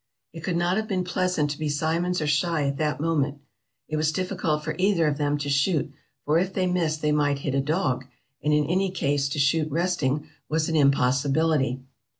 "It could not have been pleasant to be Simmons or Schei at that moment. It was difficult for either of them to shoot, for if they missed they might hit a dog; and in any case to shoot resting was an impossibility.